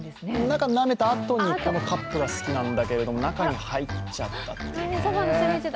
中なめたあとの、このカップが好きなんだけれども中に入っちゃったというね。